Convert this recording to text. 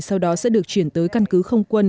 sau đó sẽ được chuyển tới căn cứ không quân